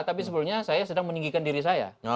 tapi sebelumnya saya sedang meninggikan diri saya